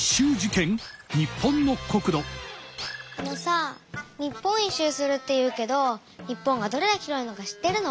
あのさぁ日本一周するって言うけど日本がどれだけ広いのか知ってるの？